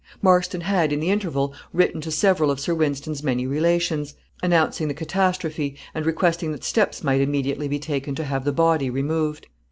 Marston had, in the interval, written to several of Sir Wynston's many relations, announcing the catastrophe, and requesting that steps might immediately be taken to have the body removed.